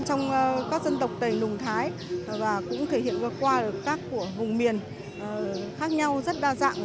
trong các dân tộc tây nùng thái và cũng thể hiện qua các của vùng miền khác nhau rất đa dạng